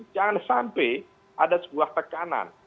jangan sampai ada sebuah tekanan